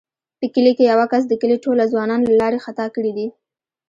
په کلي کې یوه کس د کلي ټوله ځوانان له لارې خطا کړي دي.